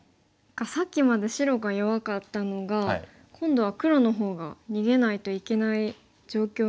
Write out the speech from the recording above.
さっきまで白が弱かったのが今度は黒の方が逃げないといけない状況に見えますね。